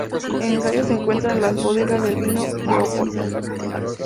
En Gaia se encuentran las bodegas del vino de Oporto.